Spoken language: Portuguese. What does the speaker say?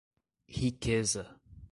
Riqueza